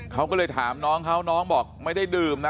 เขาก็เลยถามน้องเขาน้องบอกไม่ได้ดื่มนะ